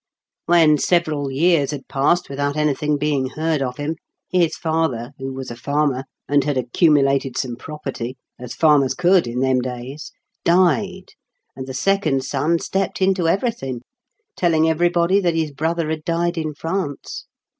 When several years had passed without any thing being heard of him, his father, who was a farmer, and had accumulated some property, as farmers could in them days, died, and the second son stepped into everything, telling everybody that his brother had died in France.